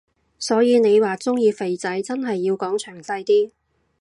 所以你話鍾意肥仔真係要講詳細啲